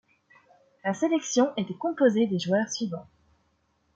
La sélection était composée des joueurs suivants.